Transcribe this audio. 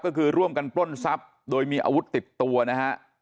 ก็คือร่วมกันปล้นทรัพย์โดยมีอาวุธติดตัวนะฮะ